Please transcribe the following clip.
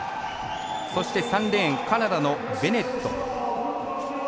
そして、３レーンカナダのベネット。